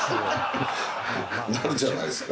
なるじゃないですか？